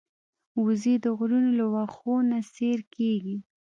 وزې د غرونو له واښو نه سیر کېږي